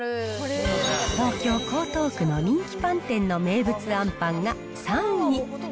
東京・江東区の人気パン店の名物あんパンが３位。